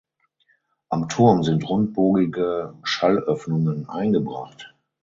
Am Turm sind rundbogige Schallöffnungen eingebracht.